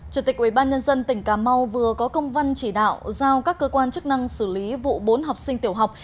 chủ tịch ubnd tỉnh cà mau vừa có công văn chỉ đạo giao các cơ quan chức năng xử lý vụ bốn học sinh tiểu học